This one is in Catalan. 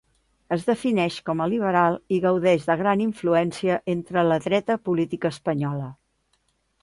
Es defineix com a liberal i gaudeix de gran influència entre la dreta política espanyola.